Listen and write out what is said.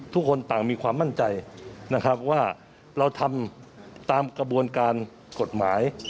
ทุกคนต่างมีความมั่นใจนะครับว่าเราทำตามกระบวนการกฎหมาย